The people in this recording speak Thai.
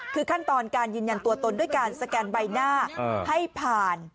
คือขั้นตอนการยืนยันตัวตนด้วยการสแกนใบหน้าให้ผ่าน